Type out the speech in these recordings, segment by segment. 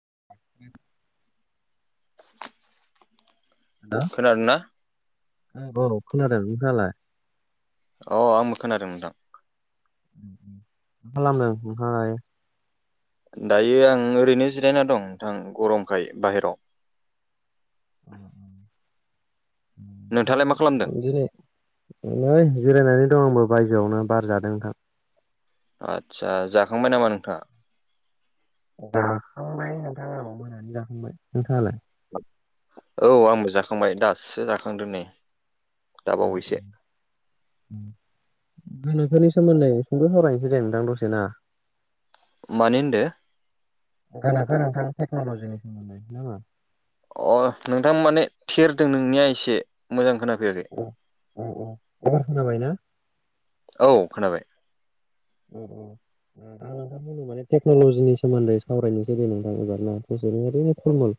[unintelligible] खोनादोना? औ खोनादों नोंथाङालाय? अ आंबो खोनादों नोंथां मा खालामदों [unintelligible] लाय दायो आं ओरैनो जिरायना दं नोंथां गरमखाय बाहेराव [unintelligible] नोंथाङालाय मा खालामदों जिरायनानै दं आंबो बायजोआवनो बारजादों नोंथां आदसा जाखांबाय नामा नोंथाङा? जाखांबाय नोंथां खंबों मोनानि जाखांबाय नोंथाङालाय? औ आंबो जाखांबाय दासो जाखांदो नै अ अ दाबावैसो ओम गोनोखोनि सोमोन्दै सुंद' सावरायनोसै दे नोंथां दसे ना मानि ओनदो? गोनोखो नोंथां टेक्न'लजिनि सोमोनदै ना मा? अ नोंथां माने थेरदों नोंनिया इसे मोजां खोनाफैयाखै औ औ एबार खोनाबायना? औ खोनाबाय अ अ [unintelligible] माने टेक्न'लजिनि सोमोनदै सावरायनोसै दे नोंथां एबार न? जेरैबादि बे फलमल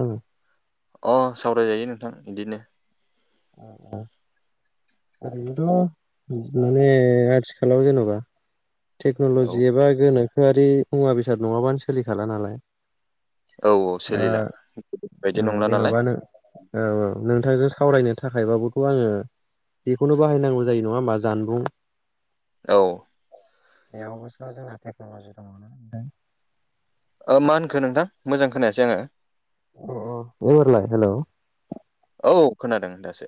ना? अ सावरायजायो नोंथां बिदिनो आ आ ओरैनोथ' माने आथिखालाव जेन'बा औ टेक्न'ल'जि एबा गोनोखोआरि मुवा-बेसाद नङाबानो सोलिखाला नालाय औ दा सोलिला बायदि ओ नंला नालाय जेन'बा नो औ औ नोंथांजो सा सावरायनो थाखायबाबोथ' आङो बेखौनो बाहायनांगौ जायो नङा होमबा जानबुं औ बेआवबोस' जोंना थेक्न'लजि दङ'ना नोंथां ओ मा होनखो नोंथां मोजां खोनायासै आङो अ अ [unintelligible] हेलौ औ खोनादों दासो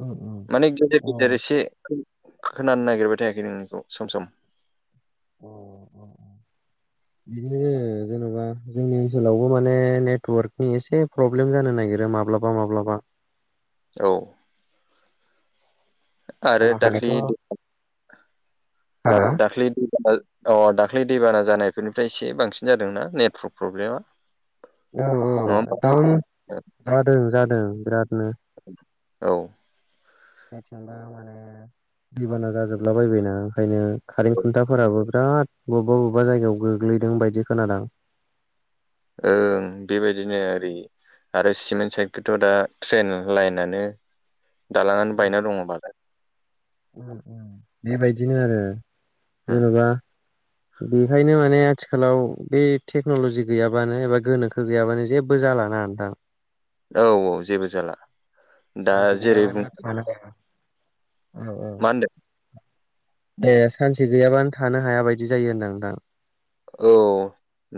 उम उम माने गेदेर अ गेदेर एसे खोनानो नागिरबाय थायाखै नोंनिखौ सम सम। अ अ अ बिदिनो जेन'बा जोंनि ओनसोलावबो माने नेटवर्कनि इसे फ्रब्लेम जानो नागिरो माब्लाबा माब्लाबा। औ आरो दाखलै आमाखालिथ' हो दाखलै [inaudible] अ दाख्लै दैबाना जानायफोरनिफ्राय एसे बांसिन जादोंना नेट्रक प्रब्लेमा औ औ नङा होमबा एकदम जादों जादों बिरादनो। औ [unintelligible] आ माने दैबाना जाजोबला बायायबायना ओंखायनो खारें खुन्थाफोराबो बिराद बबेबा बबेबा जायगायाव गोग्लैदों बायदि खोनादां। ओं बेबायदिनो ओरै आरो सिमेन्ट साइडखैथ' दा ट्रेन लाइनानो दालाङानो बायना दङबालाय। उम उम बेबायदिनो आरो जेन'बा बेखायनो माने आथिखालाव बे टेक्न'लजि गैयाबानो एबा गोनोखो गैयाबानो जेबो जाला। ना नोंथां। औ औ जेबो जाला। दा सानसे‌ जेरै बुं गैयाबानो थानो‌ हाया। औ औ मा होनदो? ए सानसे गैयाबानो थानो हाया बायदि जायो होनदां नोंथां। औ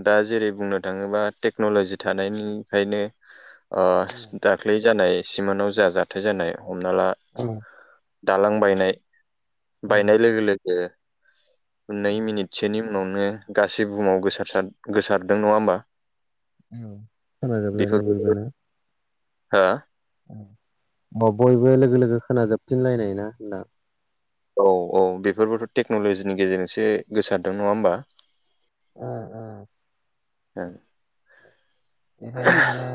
दा जेरै बुंनो थाङोबा टेक्न'लजि थानायनिफ्रायनो ओ दाख्लै जानाय सिमोनाव जा जाथाय जानाय हमना ला औ दालां बायनाय बायनाय लोगो लोगो नै मिनिटसोनि उनावनो गासै बुहुमाव गोसार सार गोसारदों नङा होमबा औ खोनाजोबलायनाय बेफोरबो बयबोना हो अ बयबो लोगो लोगो खोनाजोबफिनलायनाय ना होनदां। औ औ बेफोरबोथ' टेक्न'ल'जिनि गेजेरजोंसो गोसारदों नङा होमबा? उम उम। ओ बेखायनो माने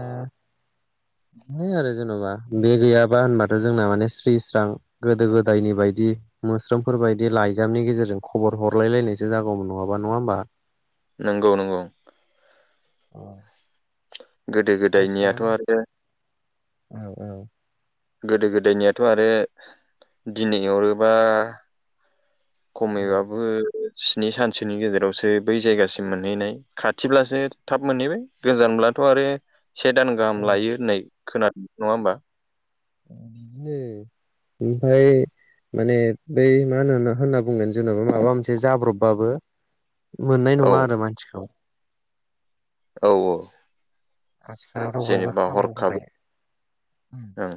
[inaudible] है आरो जेन'बा बे गैयाबा होनबाथ' जोंना माने स्रि स्रां गोदो गोदायनि बायदि मोस्रोमफोर बायदि लाइजामनि गेजेरजों खबर हरलायलायनायसो जागौमोन नङाबा । नङा होमबा? नोंगौ नोंगौ। अ गोदो गोदायनियाथ' मिथिनायानो आरो औ औ। गोदो गोदायनियाथ' आरो दिनै हरोबा औ खमैबाबो स्नि सानसोनि गेजेरावसो बै जायगासिम मोनहैनाय खाथिबासो थाब मोनहैबाय गोजान ब्लाथ' आरो से दान गाहाम लायो होननाय खोनादों नङा होमबा? बिदिनो ओमफाय माने बै मा होनोनो होनना बुंगोन जेन'बा माबा मोनसे जाब्रब बाबो मोननाय औ नङा आरो मानसिखौ। औ औ आथिखालावथ' बयबो जेनेबा खामायनो हरखाबै थाखाय ओं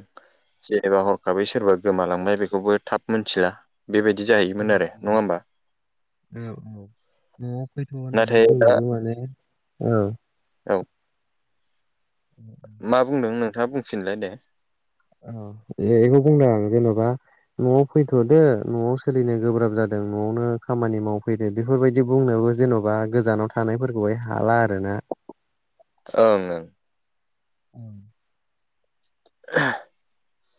जेनेबा हरखाबै सोरबा गोमालांबाय बेखौबो थाब मोनथिला। बेबायदि जाहैयोमोन आरो नङा होमबा औ न'आव फैथ' होननानै नाथाय दा बुंनोबो माने औ औ मा बुंदों नोंथाङा बुंफिनलाय दे औ बेखौ बुंदों आं जेन'बा न'आव फैथ'दो न'आव सोलिनो गोब्राब जादों न'आवनो खामानि मावफैदो बेफोरबायदि बुंनो -बो जेन'बा गोजानाव थानायफोरखौहाय हाला आरोोना ओंं औ [inaudible]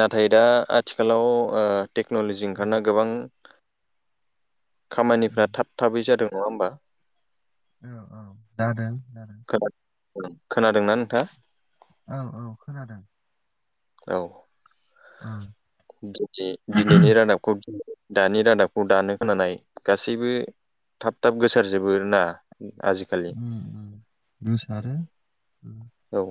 नाथाय दा आथिखालाव टेक्नलजि ओंखारना गोबां खामानिफ्रा थाब थाबै जादों नङा होमबा औ औ जादों जादों खोनादों खोनादोंना नोंथां औ औ खोनादों औ [inaudible] दि दिनैनि रादाबखौ गि दानि रादाबखौ दानो खोनानाय गासैबो थाब थाब गोसारजोबो आरो ना आजिखालि औ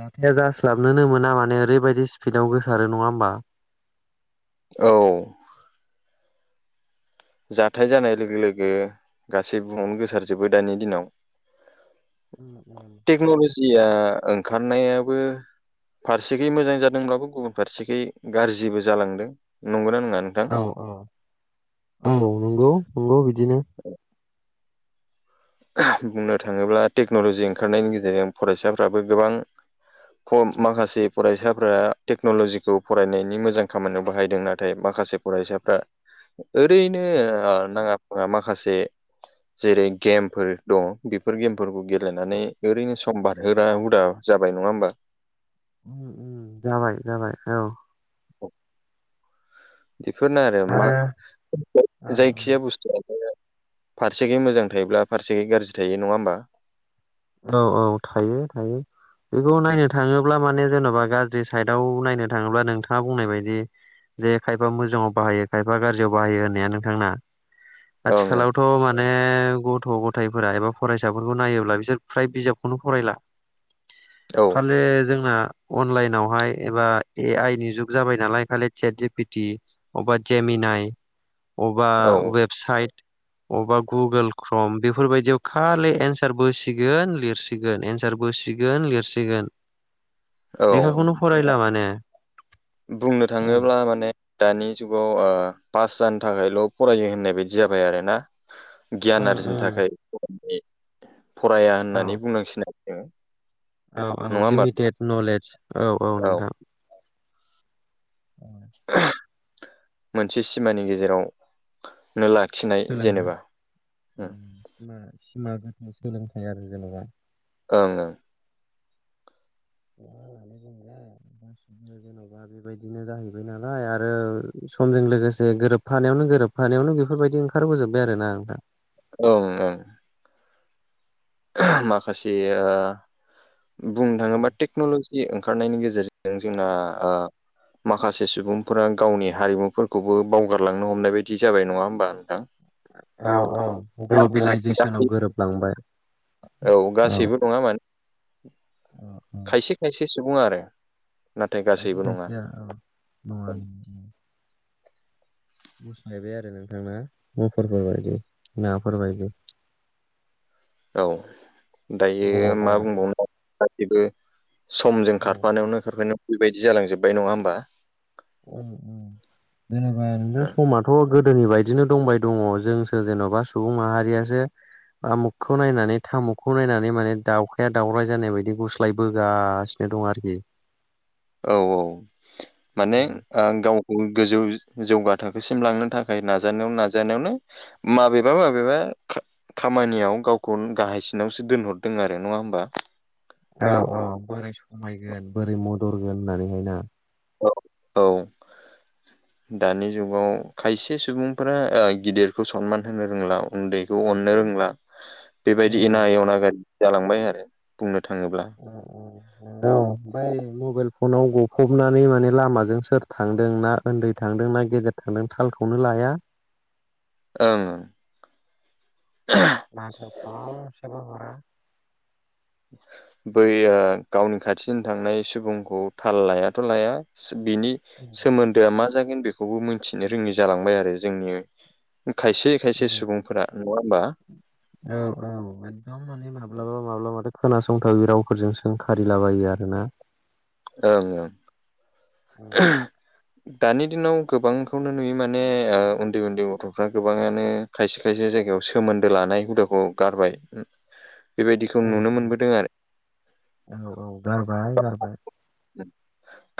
दाथाया जास्लाबनोनो मोना माने ओरैबायाददि स्पिडआव गोसारो नङा होमबा औ जाथाय जानाय लोगो लोगो गासै बुहुमावनो गोसारजोबो दानि दिनाव उम उम या ओंखारनायाबो फारसेखै मोजां जादोंब्लाबो गुबुन फारसेखै गाज्रिबो जालांदों नंगौना नंङा औ औ औ नंगौ नंगौ बिदिनो बुंनो थाङोब्ला टेक्न'लजि ओंखारनायनि गेजेरजों फरायसाफ्राबो गोबां माखासे फरायसाफोरा टेक्न'लजिखौ फरायनायनि मोजां खामानियाव बाहायदों नाथाय माखा माखासे फरायसाफ्रा ओरैनो नाङा फाङा माखासे जेरै गेम फोर दं बेफोर गेमफोरखौ गेलेनानै ओरैनो सम बारहोनाय हुदा जाबाय नङा होमबा जाबाय जाबाय औ औ बेफोरनो आरो मा औ जायखि औ जाया बुस्थुआनो फारसेखै मोजां थायोब्ला फारसेङै गाज्रि थायो नङा होमबा औ औ थायो थायो बेखौ नायनो थाङोब्ला माने जेन'बा गाज्रि साइडआव नायनो थाङोब्ला नोंथाङा बुंनाय बायदि जे खायफा मोजाङाव बाहायो खायफा गाज्रियाव बाहायो होननाया नोंथांना ओं आथिखालावथ' माने गथ' गथायाइफोरा एबा फरायसाफोरखौ नायोब्ला बिसोर फ्राय बिजाबखौनो फरायला ओं खालि जोंना अनलाइनावहाय एबा ए आइ नि जुग जाबाय नालाय खालि चाट जिपिटि एबा गेम मिनाय [inaudible] अबबा औ वेबसाइट अबेबा गुगोल क्रम बेफोरबायदियाव खालि एन्सारबो गोन लिरसिगोन एन्सारबोसिगोन लिरसिगोन औ लेखा खौनो फरायला माने बुंनो उम थाङोब्ला माने दानि जुगाव पास जानो थाखायल' फरायो होननाय बायदि जाबाय आरोना गियान उम आरजिनो उम थाखाय फराया होननानै बुंनांसिनो आरो जोङो। औ औ नङा होमबा लिमिटेड नलेज औ औ नोंथां मोनसे सिमानि गेजेरावनो ला सोलोङो सिमा गोथ सोलोंथायाइ आरो जेनेबा [unintelligible] ओं ओं। [inaudible] गासिबो जेन'बा बेबायदिनो जाहैबाय नालाय आरो समजों लोगोसे गोरोबफानायावनो गोरोबफानायावनो बेफोरबायदि ओंखारबोजोबबाय आरो ना आंहा ओं ओं। माखासे ओ बुंनो थाङोबा टेक्नल'जि ओंखारनायनि गेजेरजों जोंना। माखासे सुबुंफोरा गावनि हारिमुफोरखौबो बावगारलांनो हमनाय बायदि जाबाय नङा होमबा नोंथां पुजिसनाव गासै [unintelligible] गोरोबलांबाय औ अ गासैबो नङा माने खायसे खायसे सुबुं आरो नाथाय खायसे गासैबो नङा खायसेया औ नङा गुस्लायबाय आरो नोंथां ना मुफरफोरबायायदि नाफोरबायायदि औ दायो मा जिबौफोरबाय बुंबावनो गासैबो समजों खारफानायावनो खारफानायावनो बेबायदि जालांजोबबाय नङा होमबा जेनेबा नों समाथ'। गोदोनि बायदिनो दंबाय दङ' जोंसो जेन'बा सुबुं माहारियासो। आमुखखौ नायनानै थामुखखौ नायनानै माने दाउखाया दाावराय जानाय बायदि गस्लायबोगासिनो। दं आरोखि। औ औ माने ओ गाव गोजौ जौगा थाखोसिम लांनो थाखाय नाजानायावनो नाजानायावनो माबेबा माबेबा। खामानियाव गावखौ गाहायसिनावसो दोनहरदों आरो नङा होमबा औ औ बोरै समायगोन बोरै मदरगोन होननानैहाय ना औ औ दानि जुगाव खायसे सुबुंफोरा ओ गिदिरखौ सनमान होनो रोंला उनदैखौ अन अननो रोंला बेबायदि एनाय अनागारि जालांबाय आरो बुंनो थाङोब्ला। ओमफ्राय मबाइल फनाव गफबनानै माने लामाजों सोर थांदों ना ओनदै थांदों ना गेदेर थांदों दों थालखौनो लाया। ओं ओं। माथो फंसेबो ह'रा बै यो‌ गावनि खाथिसिजों थांनाय सुबुंखौ थाल लायाथ' लाया बिनि उम सोमोनदोया मा जागोन बेखौबो मिथिनो रोङि जालांबाय आरो जोंनि। खायसे खायसे सुबुंफोरा नङा होमबा औ औ एकदम माने माब्लाबा माब्लाबाथ'। खोनासंथावै रावफोरजों सोंखारिलाबायो आरोना ओं ओं। औ। दानि दिनाव गोबांखौनो नुयो माने ओ उनदै उनदै गथ'फ्रा गोबाङानो खायसे खायसे जाय गायाव सोमोनदो लानाय हुदाखौ गारबाय बेबायदिखौ उम नुनो उम मोनबोदों आरो। बाय गारबाय।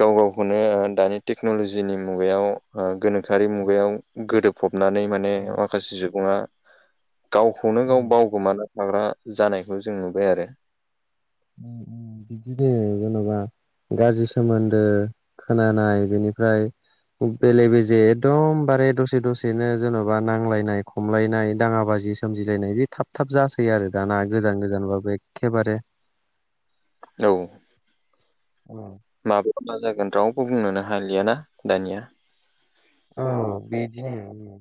गाव गावखौनो दानि टेक्न'लजिनि मुगायाव ओ गोनांथि रि [unintelligible] उम मुगायाव गोदोबफबनानै माने उम माखासे सुबुङा। गावखौनो गाव उम बावगोमानो थाग्रा जानायखौ जों नुबाय आरो बिदिनो जेन'बा गाज्रि सोमोनदो खोनानाय बेनिफ्राय बेले बेजे एकदम बारे दसे दसेनो जेन'बा नांलायनाय खमलायनाय दाङाबाजि जि सोमजिलायनाय बे थाब थाब जासै आरो दाना गोजान गोजानबाबो एखेबारे औ औ माब्ला मा जागोन रावबो बुंनोनो हालियाना दानिया औ बेदिनो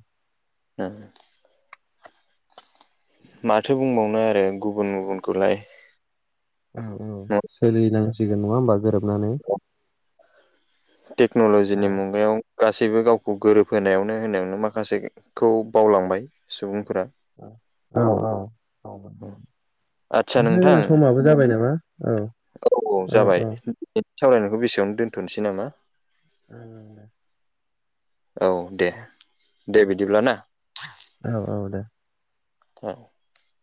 [unintelligible] माथो बुंबावनो आरो गुबुन गुबुनखौलाय औ औ नङा सोलिनांसिगोन नङा होनबा गोरोबनानै टेक्न'ल'जिनि मुगायाव गासैबो गावखौ गोरोबहायावनो होनायावनो माखासेखौ बावलांबाय सुबुं औ औ औ आदसा नोंथां औ औ औ जाबाय सावरायनायखौ बेसेयावनो दोनथ'नोसै नामा औ दे दे बिदिब्ला ना औ औ दे [unintelligible]